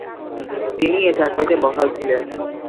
তিনি এ চাকরিতে বহাল ছিলেন।